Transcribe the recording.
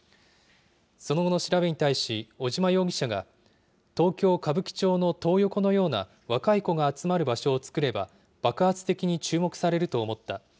その後の調べに対し尾島容疑者が、東京・歌舞伎町のトー横のような若い子が集まる場所を作れば、爆発的に注目されると思った。